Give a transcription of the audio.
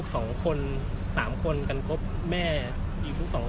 ไม่ใช่นี่คือบ้านของคนที่เคยดื่มอยู่หรือเปล่า